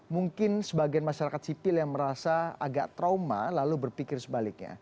mungkin sebagian masyarakat sipil yang merasa agak trauma lalu berpikir sebaliknya